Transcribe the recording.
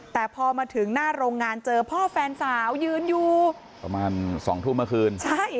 แต่พอมาถึงหน้าโรงงานเจอพ่อแฟนสาวยืนอยู่ประมาณสองทุ่มเมื่อคืนใช่